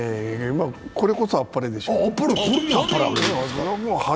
これこそあっぱれでしょう。